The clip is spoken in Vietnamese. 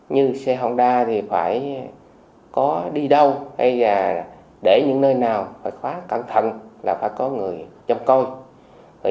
như xe hồng đa thì phải có đi đâu hay là để những nơi nào phải khóa cẩn thận là phải có người chăm coi